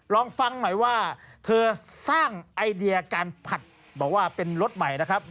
ลองฟังหน่อยว่าเธอสร้างไอเดียการผัดบอกว่าเป็นรสใหม่นะครับ